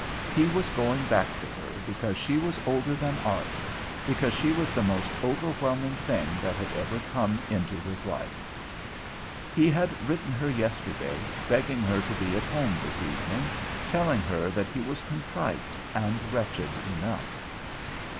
He was going back to her because she was older than art, because she was the most overwhelming thing that had ever come into his life. He had written her yesterday, begging her to be at home this evening, telling her that he was contrite, and wretched enough.